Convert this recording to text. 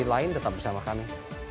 lain tetap bersama kami